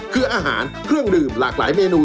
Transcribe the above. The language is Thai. คืออาหารเครื่องดื่มหลากหลายเมนู